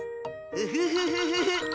フフフフフフ！